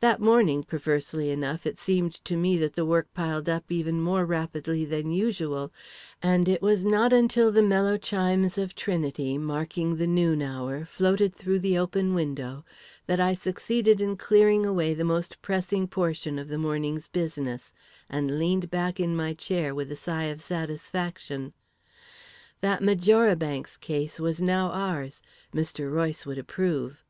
That morning, perversely enough, it seemed to me that the work piled up even more rapidly than usual, and it was not until the mellow chimes of Trinity, marking the noon hour, floated through the open window, that I succeeded in clearing away the most pressing portion of the morning's business, and leaned back in my chair with a sigh of satisfaction. That Marjoribanks case was now ours; Mr. Royce would approve....